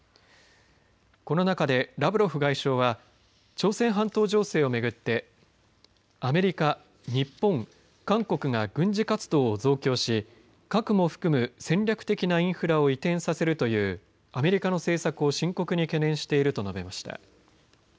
この中でラブロフ外相は朝鮮半島情勢を巡ってアメリカ、日本、韓国が軍事活動を増強し核も含む戦略的なインフラを移転させるというアメリカの政策を深刻に懸念していると述べました。